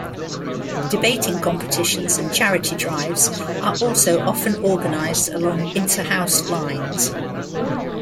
Debating competitions and charity drives are also often organised along inter-house lines.